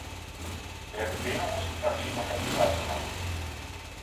We hebben binnen onze fractie nog geen besluit genomen.